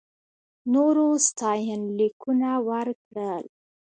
نورو ستاینلیکونه ورکړل.